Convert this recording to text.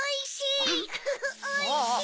おいしい！